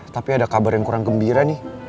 tapi ada kabar yang kurang gembira nih